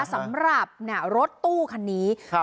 สำหรับเนี้ยรถตู้คันนี้ครับ